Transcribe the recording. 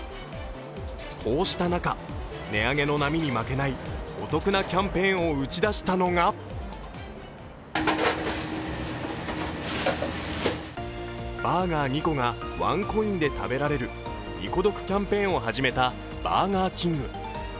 こうした中、値上げの波に負けないお得なキャンペーンを打ち出したのがバーガー２個がワンコインで食べられる２コ得キャンペーンを始めたバーガーキング。